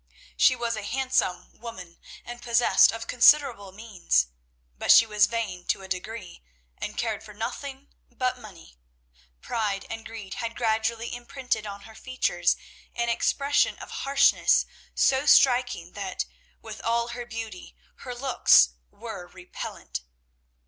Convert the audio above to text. She was a handsome woman, and possessed of considerable means; but she was vain to a degree, and cared for nothing but money. Pride and greed had gradually imprinted on her features an expression of harshness so striking that, with all her beauty, her looks were repellent.